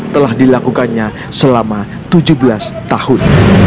telah dilakukannya selama tujuh belas tahun